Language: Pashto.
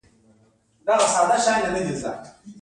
دغو بنسټونو د پاموړ ثروت تولیداوه.